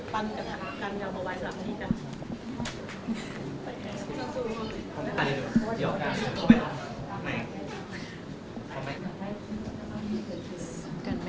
ปั้นกระทะกันยาวประวัย๓ทีก่อน